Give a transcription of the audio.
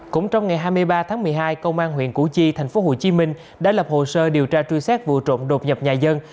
cũng trong ngày hai mươi ba tháng một mươi hai công an huyện củ chi thành phố hồ chí minh đã lập hồ sơ điều tra truy xét vụ trộm đột nhập nhà dân